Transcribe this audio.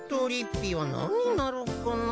ぴいは何になろうかな。